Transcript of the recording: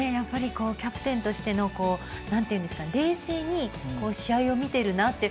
キャプテンとしての冷静に試合を見ているなと。